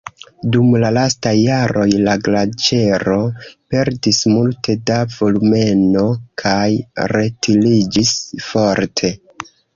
Dum la lastaj jaroj la glaĉero perdis multe da volumeno kaj retiriĝis forte.